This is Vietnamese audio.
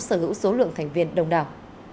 sở hữu số lượng thành viên đông đảo